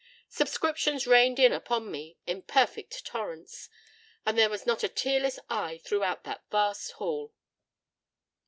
Subscriptions rained in upon me in perfect torrents; and there was not a tearless eye throughout that vast hall."